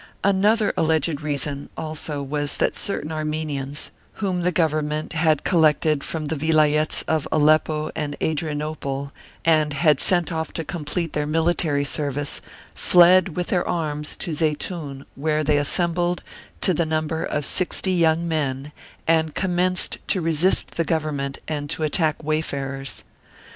Another alleged reason also was that certain Armenians, whom the Government had collected from the Vilayets of Aleppo and Adrianople and had sent off to complete their military service, fled, with their arms, to Zeitoun, where they assembled, to the number of sixty young men, and commenced to resist the Government and to attack wayfarers.